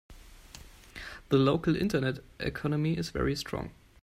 The local internet economy is very strong.